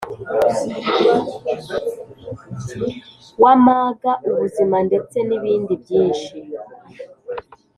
wamaga ubuzima ndetse nibindi byinshi;